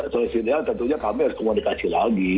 solusi ideal tentunya kami harus komunikasi lagi